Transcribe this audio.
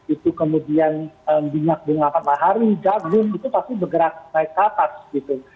itu kemudian minyak bunga matahari jagung itu pasti bergerak naik ke atas gitu